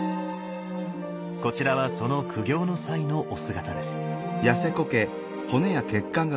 こちらはその苦行の際のお姿です。